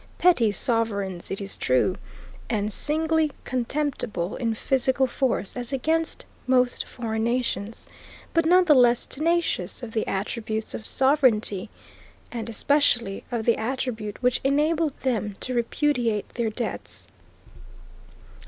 Petty sovereigns it is true, and singly contemptible in physical force as against most foreign nations, but none the less tenacious of the attributes of sovereignty, and especially of the attribute which enabled them to repudiate their debts.